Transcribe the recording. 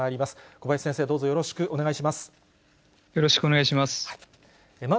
小林先生、よろしくお願いします。